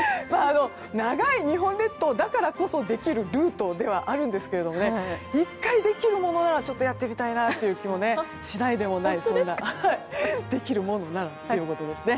長い日本列島だからこそできるルートではあるんですけど１回できるものならやってみたいという気がしないでもないですが。